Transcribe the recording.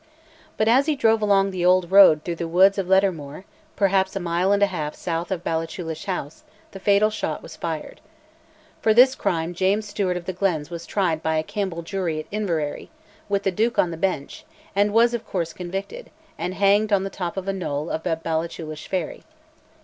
But as he drove along the old road through the wood of Lettermore, perhaps a mile and a half south of Ballachulish House, the fatal shot was fired. For this crime James Stewart of the Glens was tried by a Campbell jury at Inveraray, with the Duke on the bench, and was, of course, convicted, and hanged on the top of a knoll above Ballachulish ferry.